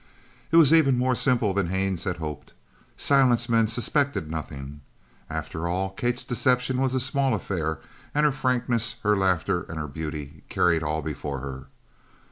It was even more simple than Haines had hoped. Silent's men suspected nothing. After all, Kate's deception was a small affair, and her frankness, her laughter, and her beauty carried all before her.